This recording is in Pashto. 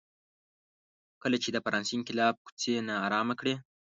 کله چې د فرانسې انقلاب کوڅې نا ارامه کړې.